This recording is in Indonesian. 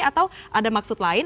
atau ada maksud lain